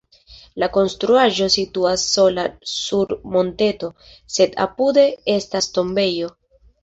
La konstruaĵo situas sola sur monteto, sed apude estas tombejo.